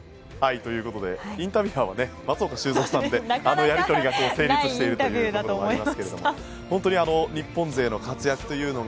ということでインタビュアーは松岡修造さんであのやり取りが成立しているというところだと思いますけど本当に日本勢の活躍というのが。